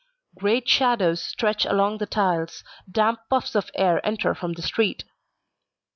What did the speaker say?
Great shadows stretch along the tiles, damp puffs of air enter from the street.